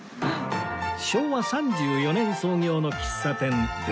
昭和３４年創業の喫茶店田園